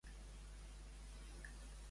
Cop en bola.